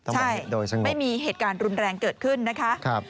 ใช่ไม่มีเหตุการณ์รุนแรงเกิดขึ้นนะคะ